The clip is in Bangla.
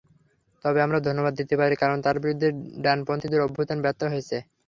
তবে আমরা ধন্যবাদ দিতে পারি, কারণ তাঁর বিরুদ্ধে ডানপন্থীদের অভ্যুত্থান ব্যর্থ হয়েছে।